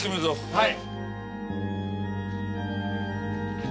はい。